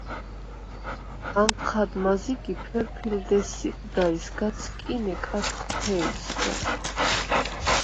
ანჴად მაზიგ ი ფერფილდ ესსიპდა ი სგ’ ა̄დსკინე კათხთე̄ჲსგა.